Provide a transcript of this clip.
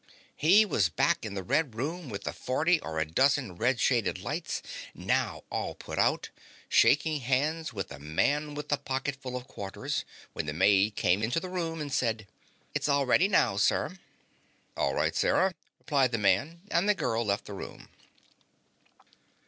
He was back in the red room with the forty or a dozen red shaded lights, now all put out, shaking hands with the Man With the Pocketful of Quarters, when the maid came into the room and said: "It's all ready now, sir." "All right, Sarah," replied the man and the girl left the room.